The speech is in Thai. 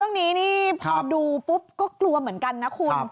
เรื่องนี้นี่พอดูปุ๊บก็กลัวเหมือนกันนะคุณ